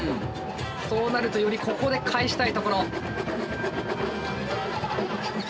そうなるとよりここで返したいところ。